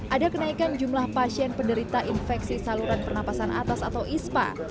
ada kenaikan jumlah pasien penderita infeksi saluran pernapasan atas atau ispa